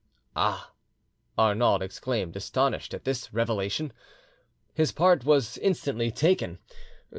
"Ah!" Arnauld exclaimed, astonished at this revelation. His part was instantly taken.